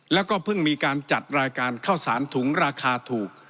แล้วก็เพิ่งมีการจัดรายการข้าวสารถุงราคาถูก